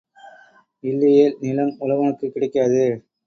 இல்லையேல் நிலம் உழவனுக்குக் கிடைக்காது.